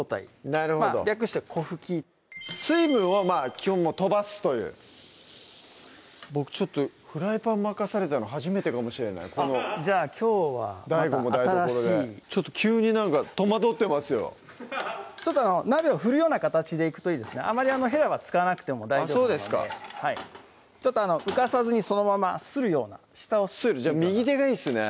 なるほど略して「粉ふき」水分を飛ばすという僕ちょっとフライパン任されたの初めてかもしれないこのじゃあきょうはまた新しいＤちょっと急になんか戸惑ってますよちょっと鍋を振るような形でいくといいですねあまりへらは使わなくても大丈夫なのでちょっと浮かさずにそのままするような右手がいいっすね